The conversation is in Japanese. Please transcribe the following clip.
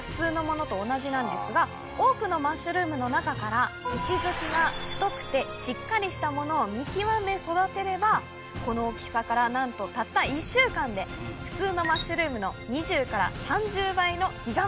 多くのマッシュルームの中から石づきが太くてしっかりしたものを見極め育てればこの大きさからなんとたった１週間で普通のマッシュルームの２０から３０倍のＧＩＧＡ